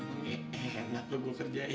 emang enak tuh gue kerjain